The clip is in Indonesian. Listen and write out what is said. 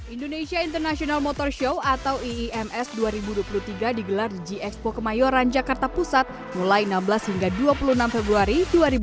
indonesia international motor show atau iims dua ribu dua puluh tiga digelar di gxpo kemayoran jakarta pusat mulai enam belas hingga dua puluh enam februari dua ribu dua puluh